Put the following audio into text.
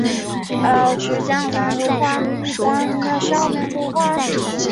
潘泰尔维勒人口变化图示